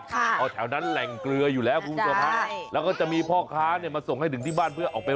เอาแถวนั้นแหล่งเกลืออยู่แล้วคุณผู้ชมฮะใช่แล้วก็จะมีพ่อค้าเนี่ยมาส่งให้ถึงที่บ้านเพื่อออกไป